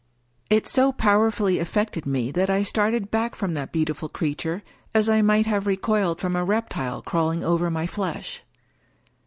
It so powerfully affected me that I started back from that beautiful creature as I might have recoiled from a reptile crawling over my flesh.